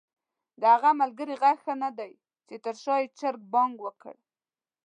د هغه ملګري ږغ ښه ندی چې تر شا ېې چرګ بانګ وکړ؟!